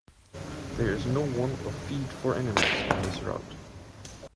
There is no want of feed for animals on this route.